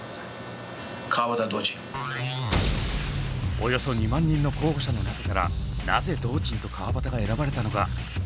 およそ２万人の候補者の中からなぜ堂珍と川畑が選ばれたのか？